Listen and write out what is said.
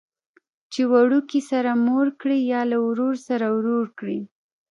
چې وړوکي سره مور کړي یا له ورور سره ورور کړي.